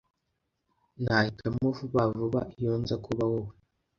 Nahitamo vuba vuba iyo nza kuba wowe